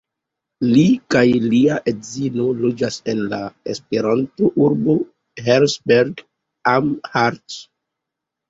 Li kaj lia edzino loĝas en la Esperanto-urbo Herzberg am Harz.